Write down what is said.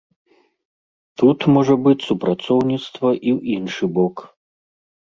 Тут можа быць супрацоўніцтва і ў іншы бок.